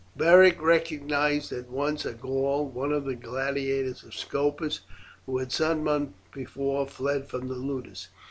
Beric recognized at once a Gaul, one of the gladiators of Scopus, who had some months before fled from the ludus.